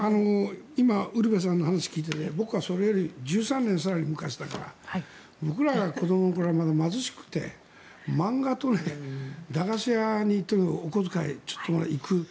今ウルヴェさんの話を聞いていて僕はそれより更に１３年昔だから僕らが子どもの頃は貧しくて漫画と駄菓子屋にお小遣いを持っていく。